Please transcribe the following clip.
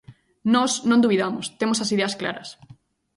Nós non dubidamos, temos as ideas claras.